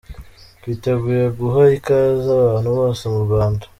Twiteguye guha ikaze abantu bose mu Rwanda.”